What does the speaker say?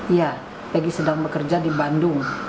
iya egy sedang bekerja di bandung